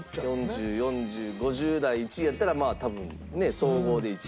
４０４０５０代１位やったらまあ多分総合で１位になりそうですから。